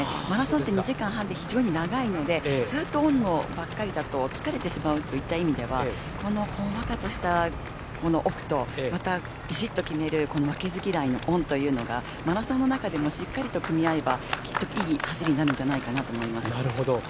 マラソンって２時間半で非常に長いのでずっとオンばっかりだと疲れてしまうといった意味ではこのほんわかとしたオフとまたびしっと決める負けず嫌いのオンというのがマラソンの中でもしっかりと組み合えばきっといい走りになるんじゃないかなと思います。